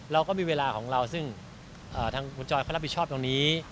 เราก็มีเวลาของเราซึ่งทางคุณจอยเขารับผิดชอบตรงนี้